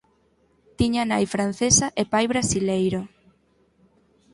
Tiña nai francesa e pai brasileiro.